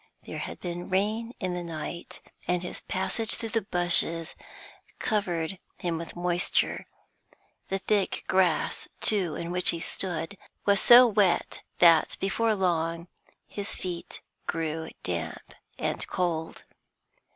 There had been rain in the night, and his passage through the bushes covered him with moisture; the thick grass, too, in which he stood, was so wet that before long his feet grew damp and cold.